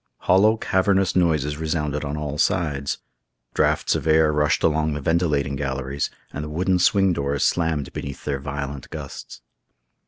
Hollow, cavernous noises resounded on all sides. Draughts of air rushed along the ventilating galleries, and the wooden swing doors slammed beneath their violent gusts.